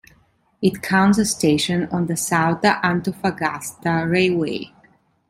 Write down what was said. It counts a station on the Salta-Antofagasta railway.